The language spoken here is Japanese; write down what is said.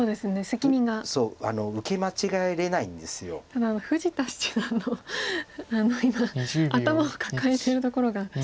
ただ富士田七段の今頭を抱えてるところが。